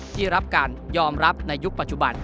ที่รับการยอมรับในยุคปัจจุบัน